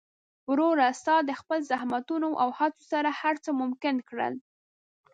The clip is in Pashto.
وروره! ستا د خپل زحمتونو او هڅو سره هر څه ممکن کړل.